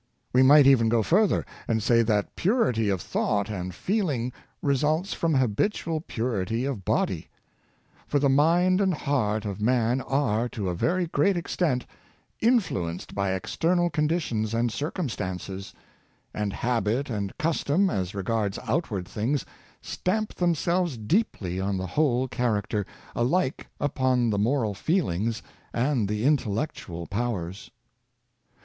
We might even go further, and say that purity of thought and feeling results from habitual purity of body; for the mind and heart of man are, to a very great extent, influenced by external conditions and circumstances; and habit and custom, as regards outward things, stamp themselves deeply on the whole character, alike upon the moral feelings and the intellectual powers.